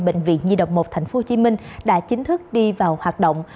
bệnh viện nhi độc một tp hcm đã chính thức đi vào hoạt động